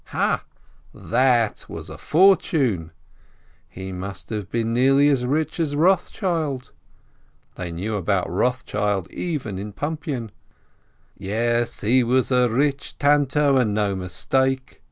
Ha, that was a fortune ! He must have been nearly as rich as Eothschild (they knew about Eothschild even in Pumpian!). "Yes, he was a rich Tano and no mistake!"